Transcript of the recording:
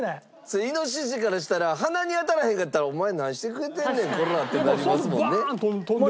イノシシからしたら鼻に当たらへんかったら「お前何してくれてんねんコラァ」ってなりますもんね。